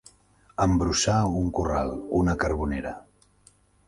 Embrossar un corral, una carbonera.